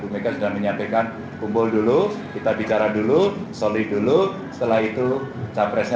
mega sudah menyampaikan kumpul dulu kita bicara dulu solid dulu setelah itu capresnya